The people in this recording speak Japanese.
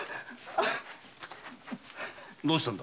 どうしたんだ？